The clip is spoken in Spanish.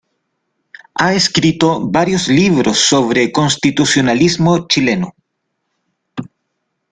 Ha escrito varios libros sobre constitucionalismo chileno.